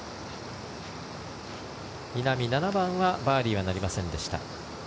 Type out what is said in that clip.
稲見、７番はバーディーなりませんでした。